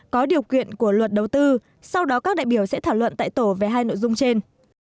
có điều kiện của luật đầu tư sau đó các đại biểu sẽ thảo luận tại tổ về hai nội dung trên